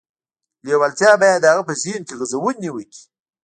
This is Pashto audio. لېوالتیا باید د هغه په ذهن کې غځونې وکړي